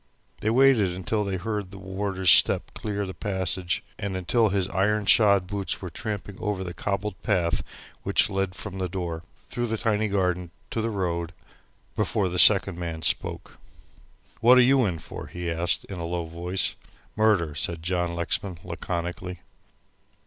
They waited until they heard the warder's step clear the passage, and until his iron shod boots were tramping over the cobbled path which led from the door, through the tiny garden to the road, before the second man spoke. "What are you in for?" he asked, in a low voice. "Murder," said John Lexman, laconically.